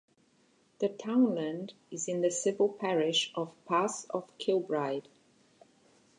The townland is in the civil parish of Pass of Kilbride.